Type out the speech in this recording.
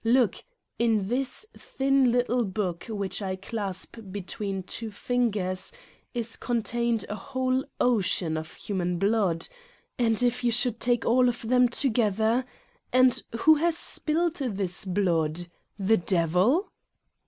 Look : in this thin little book which I clasp between two fingers is contained a whole ocean of human blood, and if you should take all of them together And who has spilled this blood? The devil?"